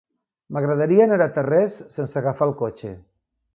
M'agradaria anar a Tarrés sense agafar el cotxe.